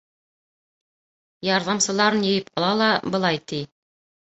Ярҙамсыларын йыйып ала ла, былай ти: